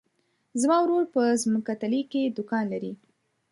زما ورور په ځمکتلي کې دوکان لری.